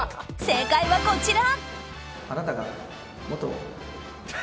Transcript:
正解は、こちら。